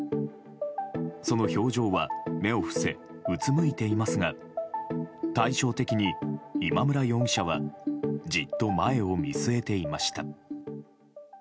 その表情は目を伏せうつむいていますが対照的に、今村容疑者はじっと前を見据えていました。